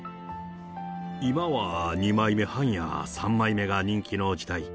今は二枚目半や三枚目が人気の時代。